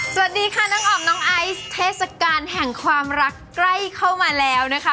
สวัสดีค่ะน้องอ๋อมน้องไอซ์เทศกาลแห่งความรักใกล้เข้ามาแล้วนะคะ